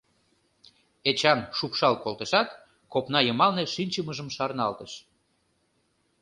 Эчан шупшал колтышат, копна йымалне шинчымыжым шарналтыш.